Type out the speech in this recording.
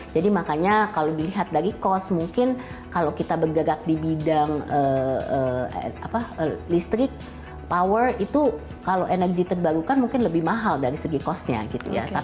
jadi makanya kalau dilihat dari cost mungkin kalau kita bergerak di bidang listrik power itu kalau energi terbarukan mungkin lebih mahal dari segi costnya gitu ya